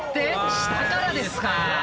下からですか！